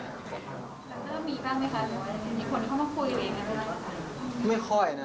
แล้วก็มีบ้างไหมคะหรือว่ามีคนที่เข้ามาพูดอย่างนั้น